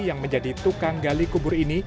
yang menjadi tukang gali kubur ini